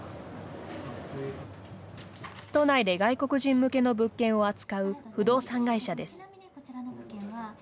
都内で外国人向けの物件を扱う不動産会社です。